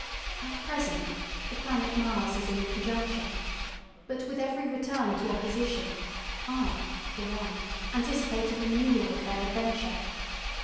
At present the planet Mars is in conjunction, but with every return to opposition I, for one, anticipate a renewal of their adventure.